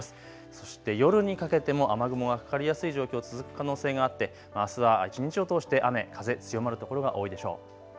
そして夜にかけても雨雲がかかりやすい状況、続く可能性があってあすは一日を通して雨、風強まる所が多いでしょう。